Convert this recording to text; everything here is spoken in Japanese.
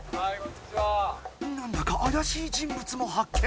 なんだかあやしい人物も発見！